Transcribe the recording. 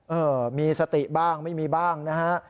เออมีสติบ้างไม่มีบ้างนะฮะ